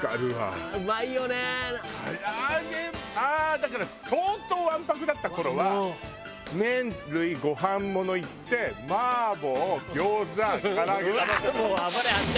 だから相当わんぱくだった頃は麺類ご飯ものいって麻婆餃子唐揚げ頼んで。